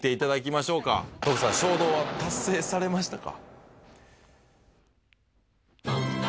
トクサン衝動は達成されましたか？